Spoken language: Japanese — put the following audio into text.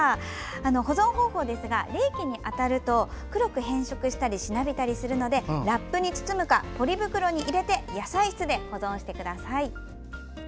保存方法ですが冷気に当たると黒く変色したりしなびたりするのでラップに包むか、ポリ袋に入れて野菜室で保存してください。